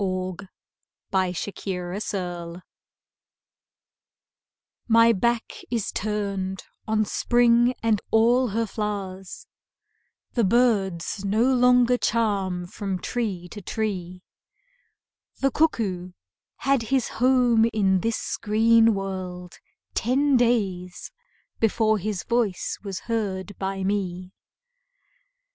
LOVE AND THE MUSE My back is turned on Spring and all her flowers, The birds no longer charm from tree to tree; The cuckoo had his home in this green world Ten days before his voice was heard by me.